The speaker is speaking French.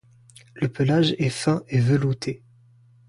Le pelage est fin et velouté.